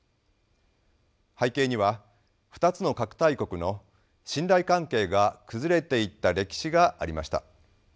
背景には２つの核大国の信頼関係が崩れていった歴史がありました。